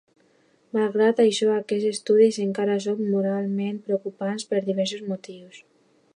Malgrat això, aquests estudis encara són moralment preocupants per diversos motius.